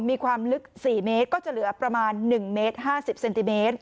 มีความลึก๔เมตรก็จะเหลือประมาณ๑เมตร๕๐เซนติเมตร